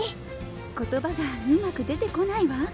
言葉がうまく出てこないわ。